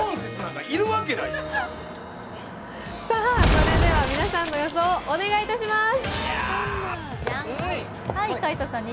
三菱電機皆さんの予想をお願いいたします。